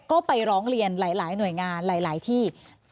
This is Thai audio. ก็ไปร้องเรียนหลายหน่วยงานหลายที่